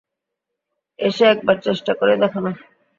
এসে একবার চেষ্টা করেই দেখো না।